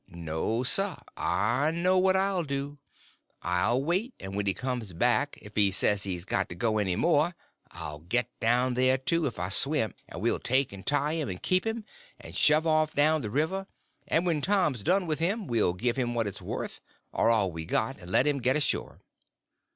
No, sir; I know what I'll do. I'll wait, and when he comes back if he says he's got to go any more I'll get down there, too, if I swim; and we'll take and tie him, and keep him, and shove out down the river; and when Tom's done with him we'll give him what it's worth, or all we got, and then let him get ashore.